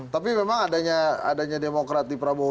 tapi memang adanya demokrat di prabowo